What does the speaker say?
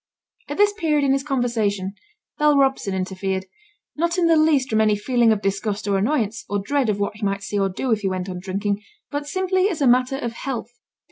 At this period in his conversation, Bell Robson interfered; not in the least from any feeling of disgust or annoyance, or dread of what he might say or do if he went on drinking, but simply as a matter of health.